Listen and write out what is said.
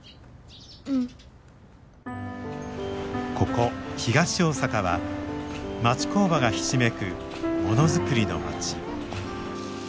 ここ東大阪は町工場がひしめくものづくりの町。